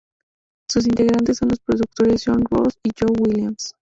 Sus integrantes son los productores "John Ross" y "Joe Williams".